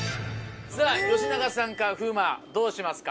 さぁ吉永さんか風磨どうしますか？